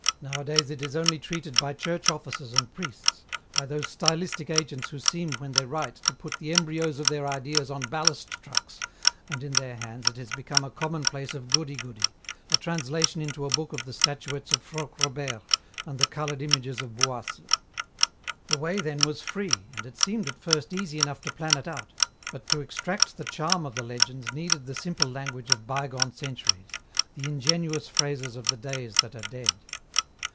Nowadays it is only treated by church officers and priests, by those stylistic agents who seem when they write to put the embryos of their ideas on ballast trucks, and in their hands it has become a commonplace of goody goody, a translation into a book of the statuettes of Froc Robert, and the coloured images of Bouasse. c 2 20 EN ROUTE. The way then was free, and it seemed at first easy enough to plan it out, but to extract the charm of the legends needed the simple language of bygone centuries, the ingenuous phrases of the days that are dead.